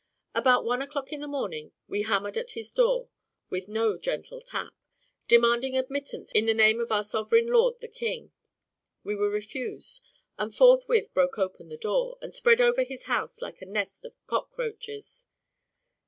About one o'clock in the morning we hammered at his door with no gentle tap, demanding admittance in the name of our sovereign lord the king. We were refused, and forthwith broke open the door, and spread over his house like a nest of cockroaches.